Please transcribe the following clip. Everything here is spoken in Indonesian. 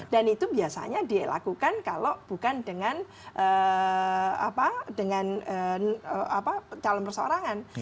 dan itu biasanya dilakukan kalau bukan dengan calon berseorangan